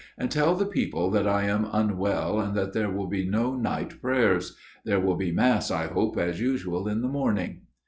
And tell the people that I am unwell and that there will be no night prayers. There will be Mass, I hope, as usual, in the morning.'